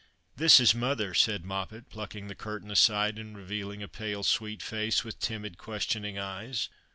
" This is mother," said Moppet, plucking the curtain aside, and revealing a pale sweet face, with timid ques tioning eyes.